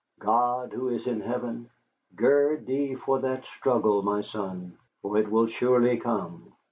God, who is in heaven, gird thee for that struggle, my son, for it will surely come.